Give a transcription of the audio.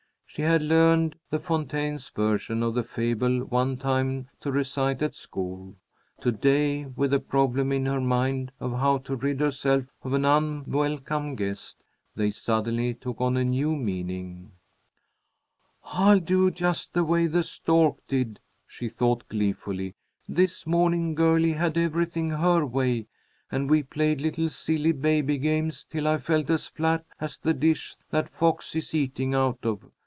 She had learned La Fontaine's version of the fable one time to recite at school. To day, with the problem in her mind of how to rid herself of an unwelcome guest, they suddenly took on a new meaning. "I'll do just the way the stork did," she thought, gleefully. "This morning Girlie had everything her way, and we played little silly baby games till I felt as flat as the dish that fox is eating out of.